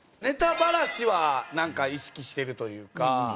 ネタバラシはなんか意識してるというか。